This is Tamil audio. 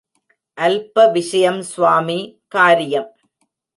அல்பவிஷயம் ஸ்வாமி காரியம்.